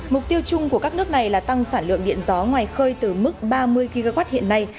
mục tiêu chung của các nước này là tăng sản lượng điện gió ngoài khơi từ mức ba mươi kw hiện nay